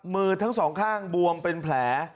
มือทั้งสองข้างบวมเป็นแผล